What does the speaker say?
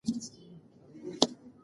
هغه پوښتنه وکړه چې ښوونځی کله پیلېږي.